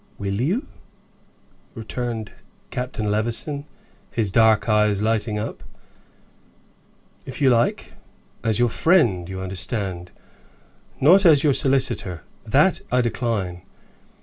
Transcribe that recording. "Will you?" returned Captain Levison, his dark eyes lighting up. "If you like as your friend, you understand; not as your solicitor; that I decline.